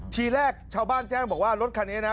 ทีแรกชาวบ้านแจ้งบอกว่ารถคันนี้นะ